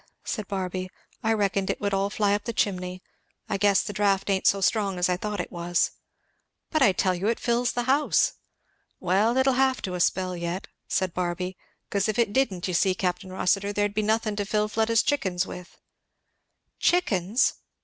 said Barby. "I reckoned it would all fly up chimney I guess the draught ain't so strong as I thought it was." "But I tell you it fills the house!" "Well, it'll have to a spell yet," said Barby, "'cause if it didn't, you see, Capt. Rossitur, there'd be nothing to fill Fleda's chickens with." "Chickens!